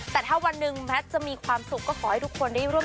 แต่ถ้าวันหนึ่งแมทจะมีความสุขก็ขอให้ทุกคนได้ร่วม